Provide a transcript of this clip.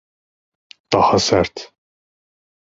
Daha sert.